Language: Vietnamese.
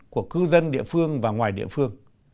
của cư dân địa phương và ngoài địa phương